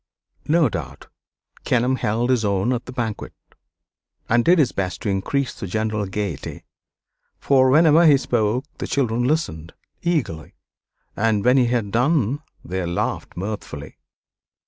No doubt Kenelm held his own at the banquet, and did his best to increase the general gayety, for whenever he spoke the children listened eagerly, and when he had done they laughed mirthfully.